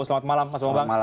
selamat malam mas bambang